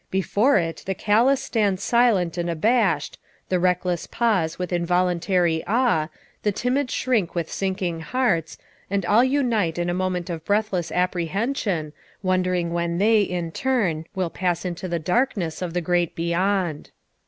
Before it the callous stand silent and abashed, the reck less pause with involuntary awe, the timid shrink with sinking hearts, and all unite in a moment of breathless apprehension, wondering when they in turn shall pass into the darkness of the great Beyond.